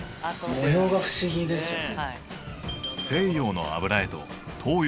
模様が不思議ですよね。